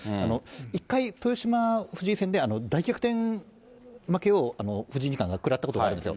一回、豊島・藤井戦で大逆転負けを藤井二冠が食らったことがあるんですよ。